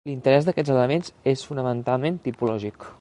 L'interès d'aquests elements és fonamentalment tipològic.